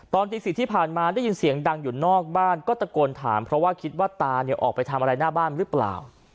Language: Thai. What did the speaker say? ตอนตี๔ที่ผ่านมาได้ยินเสียงดังอยู่นอกบ้านก็ตะโกนถามเพราะว่าคิดว่าตาเนี่ยออกไปทำอะไรหน้าบ้านหรือเปล่า